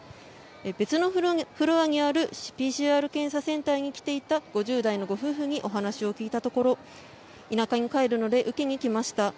別のフロアにあるＰＣＲ検査センターに来ていた５０代のご夫婦にお話を聞いたところ田舎に帰るので受けに来ました